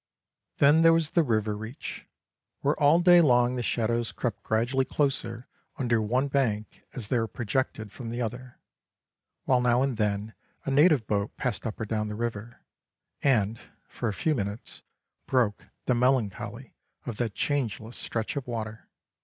Then there was the river reach, where all day long the shadows crept gradually closer under one bank as they were projected from the other; while now and then a native boat passed up or down the river, and, for a few minutes, broke the melancholy of that changeless stretch of water.